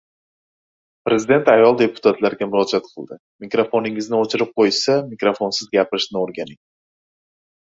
Prezident ayol deputatlarga murojaat qildi: «Mikrofoningizni o‘chirib qo‘yishsa, mikrofonsiz gapirishni o‘rganing»